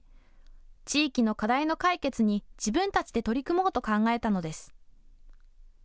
地域の課題の解決に自分たちで取り組もうと考えたのです。